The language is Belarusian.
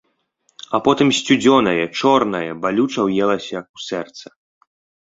А потым сцюдзёнае, чорнае балюча ўелася ў сэрца.